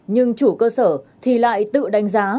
nhưng chủ cơ sở thì lại tự đánh giá